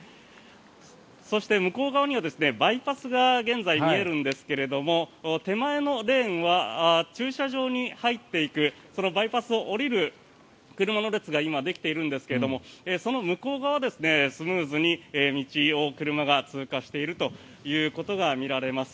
そして、向こう側にはバイパスが現在見えるんですが手前のレーンは駐車場に入っていくそのバイパスを降りる車の列が今できているんですがその向こう側はスムーズに道を車が通過しているということが見られます。